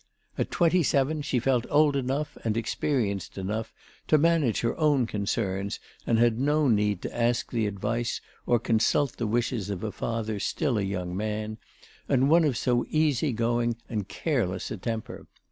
At twenty seven she felt old enough and experienced enough to manage her own concerns and had no need to ask the advice or consult the wishes of a father still a young man, and one of so easy going and careless a temper.